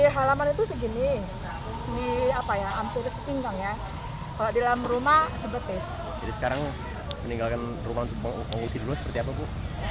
hai kalau di dalam rumah sebetis sekarang meninggalkan ruang pengungsi dulu seperti apa bu